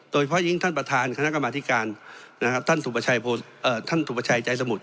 โดยเพราะยิ่งท่านประธานคณะกรรมธิการท่านสุประชัยใจสมุทร